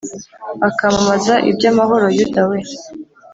akamamaza iby’amahoro! Yuda we